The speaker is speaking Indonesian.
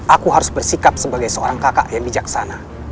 aku harus bersikap sebagai seorang kakak yang bijaksana